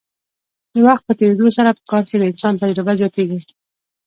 د وخت په تیریدو سره په کار کې د انسان تجربه زیاتیږي.